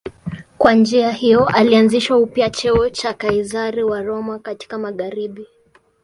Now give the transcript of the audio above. Kwa njia hiyo alianzisha upya cheo cha Kaizari wa Roma katika magharibi.